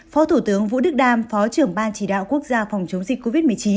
phó thủ tướng vũ đức đam phó trưởng ban chỉ đạo quốc gia phòng chống dịch covid một mươi chín